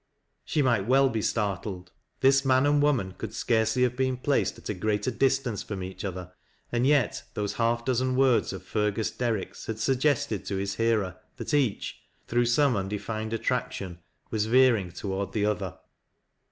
She might well be startled. This man and woman could scarcely have been placed at a greater distance from each other, and yet those half dozen words of Fergus Derrick's had suggested to his hearer that each, through some undefined attraction, was veer ing toward the other.